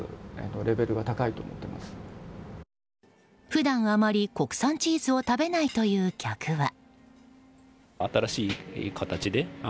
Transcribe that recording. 普段あまり国産チーズを食べないという客は。